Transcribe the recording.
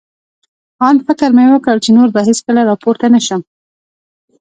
آن فکر مې وکړ، چې نور به هېڅکله را پورته نه شم.